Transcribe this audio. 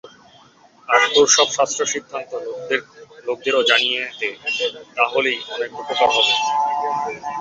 আর তোর সব শাস্ত্র-সিদ্ধান্ত লোকদেরও জানিয়ে দে, তা হলেই অনেকের উপকার হবে।